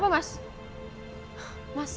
kamu gak usah deket deket sama chandra ya